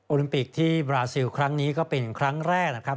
ลิมปิกที่บราซิลครั้งนี้ก็เป็นครั้งแรกนะครับ